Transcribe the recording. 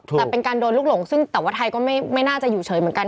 แต่เป็นการโดนลูกหลงซึ่งแต่ว่าไทยก็ไม่น่าจะอยู่เฉยเหมือนกัน